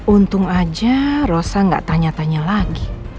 untung aja rosa gak tanya tanya lagi